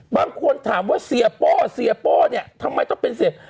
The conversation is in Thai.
บางคนถามว่าเสียโป้เสียโป้เนี่ยทำไมต้องเป็นเสีย